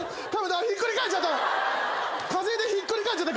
ひっくり返っちゃった！